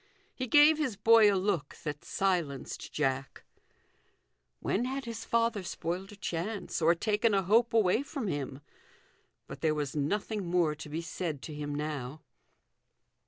He gave his boy a look that silenced Jack. When had his THE GOLDEN RULE. 293 father spoiled a chance, or taken a hope away from him ? But there was nothing more to be said to him now.